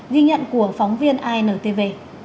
ghi nhận của phóng viên intv